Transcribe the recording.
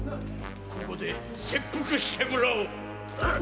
〔ここで切腹してもらおう！〕